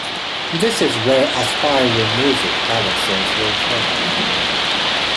This is where aspiring music balancers were trained.